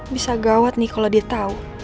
bisa gawat nih kalau dia tahu